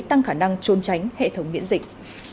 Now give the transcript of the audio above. tăng khả năng trôn tránh hệ thống miễn dịch